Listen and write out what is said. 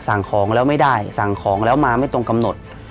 สั่งของแล้วไม่ได้สั่งของแล้วมาไม่ตรงกำหนด